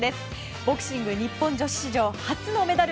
ボクシング日本女子史上初のメダル。